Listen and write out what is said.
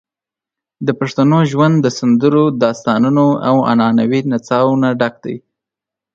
د پښتنو ژوند د سندرو، داستانونو، او عنعنوي نڅاوو نه ډک دی.